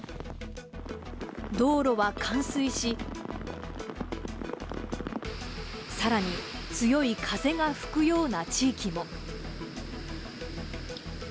道路は冠水し、さらに、強い風が吹くような地域も。